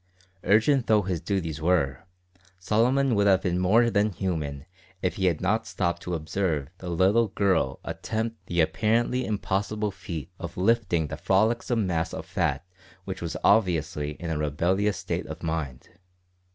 Urgent though his duties were, Solomon would have been more than human if he had not stopped to observe the little girl attempt the apparently impossible feat of lifting the frolicsome mass of fat which was obviously in a rebellious state of mind.